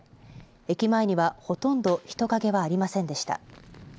駅前にはほとんど人影はありませんでした。